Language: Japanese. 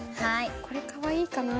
これかわいいかな？